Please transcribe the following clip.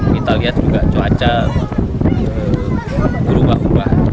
kita lihat juga cuaca berubah ubah